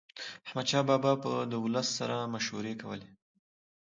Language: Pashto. احمدشاه بابا به د ولس سره مشورې کولي.